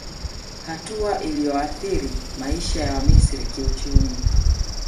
Hatua iliyoathiri maisha ya Wamisri kiuchumi